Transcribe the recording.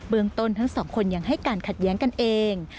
เมืองต้นทั้งสองคนยังให้การขัดแย้งกันเอง